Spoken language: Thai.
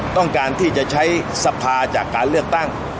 ต้องการที่จะใช้สภาจากการเลือกตั้ง